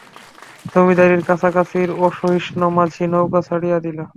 জমিদারি কাছারির অসহিষ্ণু মাঝি নৌকা ছাড়িয়া দিল।